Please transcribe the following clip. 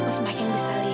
aku mau pergi